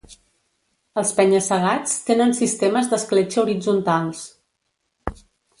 Els penya-segats tenen sistemes d'escletxa horitzontals.